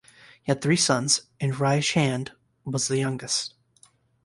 He had three sons, and Rai Chand was the youngest.